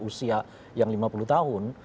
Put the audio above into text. usia yang lima puluh tahun